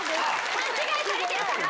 勘違いされてるから！